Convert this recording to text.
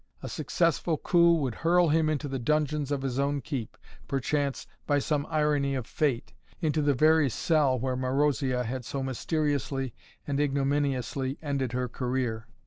A successful coup would hurl him into the dungeons of his own keep, perchance, by some irony of fate, into the very cell where Marozia had so mysteriously and ignominiously ended her career.